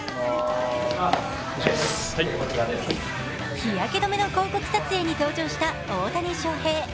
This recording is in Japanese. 日焼け止めの広告撮影に登場した大谷翔平。